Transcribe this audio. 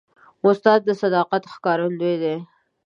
استاد د صداقت ښکارندوی دی.